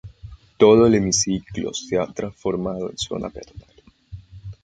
Todo el hemiciclo se ha transformado en zona peatonal.